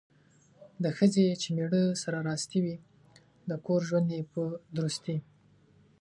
د ښځې چې میړه سره راستي وي ،د کور ژوند یې په درستي